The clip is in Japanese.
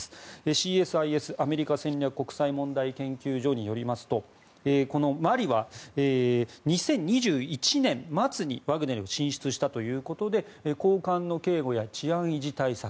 ＣＳＩＳ・アメリカ戦略国際問題研究所によりますとこのマリは２０２１年末にワグネルに進出したということで高官の警護や治安維持対策